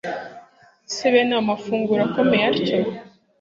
sbene ayo mafunguro akomeye atyo